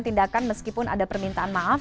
tindakan meskipun ada permintaan maaf